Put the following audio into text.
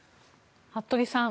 服部さん